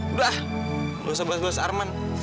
udah ah gak usah bahas bahas arman